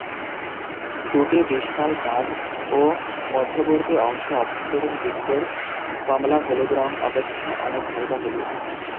দুটি ডিসকাল দাগ এর মধ্যবর্তী অংশ অভ্যন্তরীণ ডিস্কের কমলা হলুদ রঙ অপেক্ষা অনেক হালকা হলুদ।